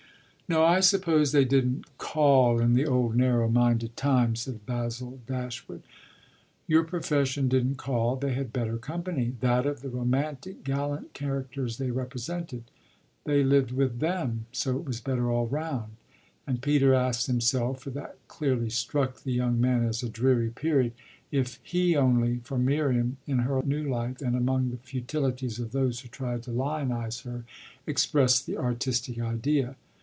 "No, I suppose they didn't 'call' in the old narrow minded time," said Basil Dashwood. "Your profession didn't call. They had better company that of the romantic gallant characters they represented. They lived with them, so it was better all round." And Peter asked himself for that clearly struck the young man as a dreary period if he only, for Miriam, in her new life and among the futilities of those who tried to lionise her, expressed the artistic idea.